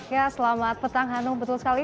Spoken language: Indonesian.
ya selamat petang hanum betul sekali